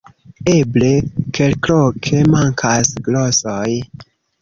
Eble, kelkloke mankas glosoj.